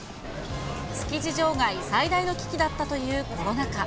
築地場外最大の危機だったというコロナ禍。